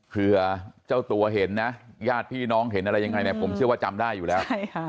เพื่อเจ้าตัวเห็นนะญาติพี่น้องเห็นอะไรยังไงเนี่ยผมเชื่อว่าจำได้อยู่แล้ว